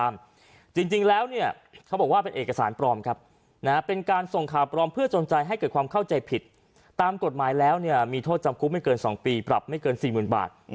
ไม่เกิน๒ปีปรับไม่เกิน๔๐๐๐๐บาท